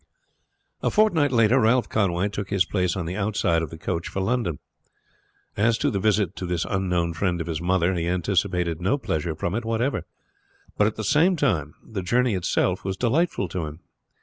A fortnight later Ralph Conway took his place on the outside of the coach for London. As to the visit to this unknown friend of his mother, he anticipated no pleasure from it whatever; but at the same time the journey itself was delightful to him.